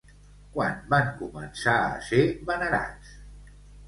Quan van començar a ser venerats?